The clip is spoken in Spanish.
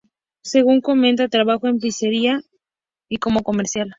Según comenta, trabajó en una pizzería y como comercial.